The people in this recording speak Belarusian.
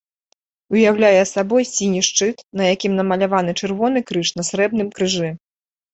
Уяўляе сабой сіні шчыт, на якім намаляваны чырвоны крыж на срэбным крыжы.